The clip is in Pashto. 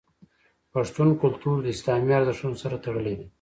پښتون کلتور د اسلامي ارزښتونو سره تړلی دی.